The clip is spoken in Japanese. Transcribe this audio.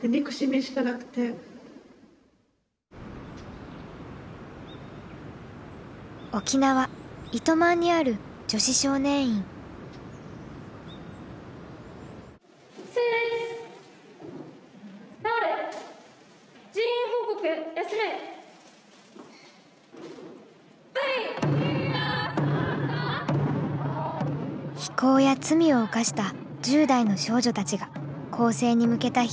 非行や罪を犯した１０代の少女たちが更生に向けた日々を送っている。